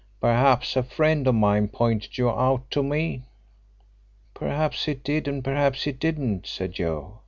"Perhaps a friend of mine pointed you out to me." "Perhaps he did, and perhaps he didn't," said Joe.